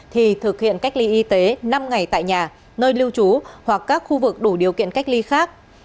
thì thực hiện cách ly y tế năm ngày tại nhà nơi lưu trú hoặc các khu vực đủ điều kiện cách ly khác